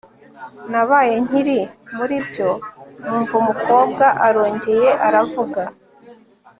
nabaye nkiri muribyo numva umukobwa arongeye aravuga